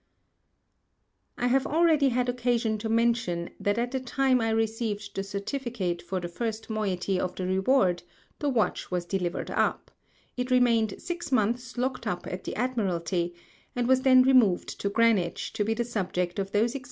I have already had Occasion to mention, that at the Time I receivŌĆÖd the Certificate for the first Moiety of the Reward, the Watch was delivered up; it remained six Months locked up at the Admiralty, and was then removed to Greenwich, to be the Subject of those Experiments concerning which I now trouble the Public.